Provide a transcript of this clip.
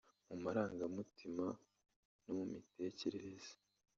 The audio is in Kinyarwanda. mu marangamutima no mu mitekerereze